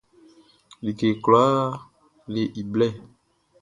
Like kwlaa le i blɛ.